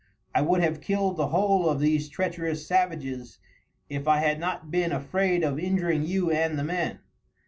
I would have killed the whole of these treacherous savages if I had not been afraid of injuring you and the men.